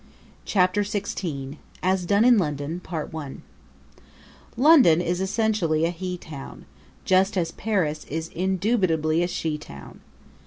Chapter XVI As Done in London London is essentially a he town, just as Paris is indubitably a she town.